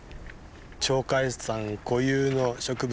鳥海山固有の植物